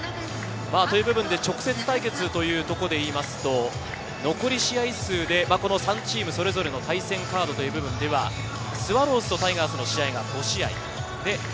直接対決というところでいうと、残り試合数で３チームそれぞれの対戦カードという部分ではスワローズとタイガースの試合が５試合。